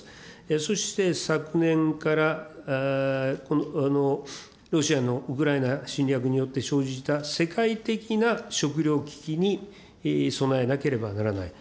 そして、昨年からロシアのウクライナ侵略によって生じた世界的な食料危機に備えなければならない。